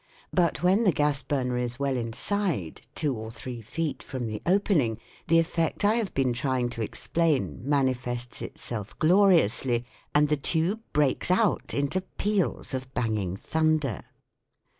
But when the gas burner is well inside, two or three feet from the opening, the effect I have been trying to explain manifests itself gloriously, and the tube breaks out into peals of banging thunder.